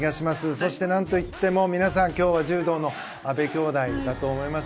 そして何といっても今日は柔道の阿部兄妹だと思います。